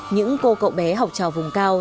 những cô cậu bé học trào vùng cao